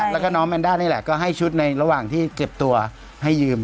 แล้วก็น้องแมนด้านี่แหละก็ให้ชุดในระหว่างที่เก็บตัวให้ยืม